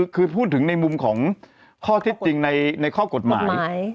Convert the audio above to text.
คือพูดถึงในมุมของข้อเท็จจริงในข้อกฎหมาย